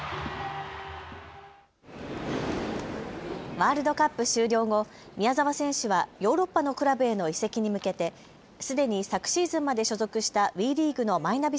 ワールドカップ終了後、宮澤選手はヨーロッパのクラブへの移籍に向けてすでに昨シーズンまで所属したＷＥリーグのマイナビ